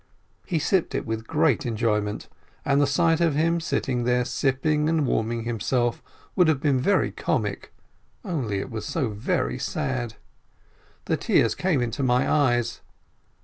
He sipped it with great enjoyment. And the sight of him sitting there sipping and warming himself would have been very comic, only it was so very sad. The tears came into my eyes.